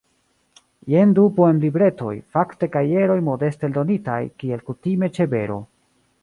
Jen du poemlibretoj, fakte kajeroj modeste eldonitaj, kiel kutime ĉe Bero.